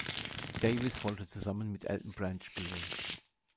Davis wollte zusammen mit Elton Brand spielen.